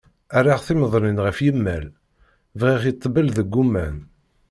Rriɣ timedlin ɣef yimal, briɣ i ṭṭbel deg uman.